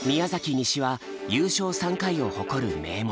西は優勝３回を誇る名門。